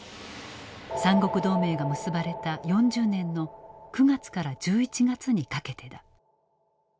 三国同盟が結ばれた４０年の９月から１１月にかけてだ。